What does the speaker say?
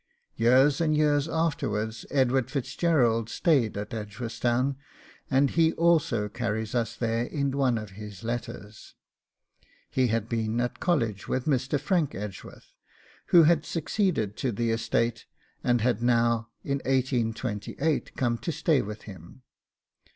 Years and years afterwards Edward Fitzgerald stayed at Edgeworthstown, and he also carries us there in one of his letters. He had been at college with Mr. Frank Edgeworth, who had succeeded to the estate, and had now in 1828 come to stay with him.